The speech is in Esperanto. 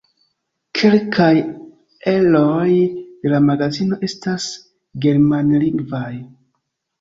Kelkaj eroj de la magazino estas germanlingvaj.